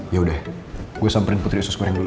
yaudah gue samperin putri usus goreng dulu